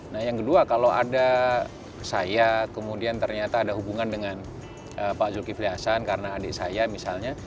nah yang kedua kalau ada saya kemudian ternyata ada hubungan dengan pak zulkifli hasan karena adik saya misalnya